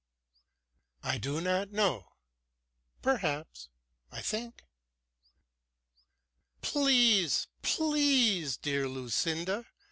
"I do not know perhaps I think " "Please! please! dear Lucinda.